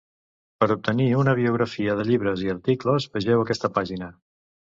Per obtenir una bibliografia de llibres i articles, vegeu aquesta pàgina.